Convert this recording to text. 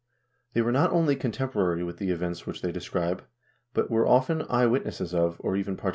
They were not only con temporary with the events which they describe, but were often eye witnesses of, or even partakers in them.